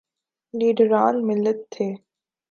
لیڈران ملت تھے۔